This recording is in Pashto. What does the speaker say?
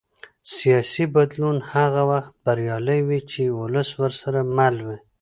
سیاسي بدلون هغه وخت بریالی وي چې ولس ورسره مل وي